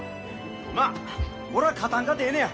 まっ俺は勝たんかてええのや。